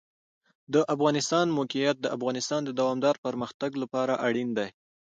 د افغانستان د موقعیت د افغانستان د دوامداره پرمختګ لپاره اړین دي.